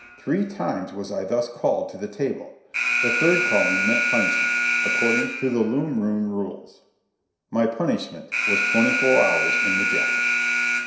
Three times was I thus called to the table. The third calling meant punishment according to the loom room rules. My punishment was twenty four hours in the jacket.